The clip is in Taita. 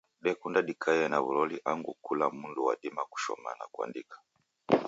Dekunda dikaie na w'uloli angu kula mndu wadima kushoma na kuandika.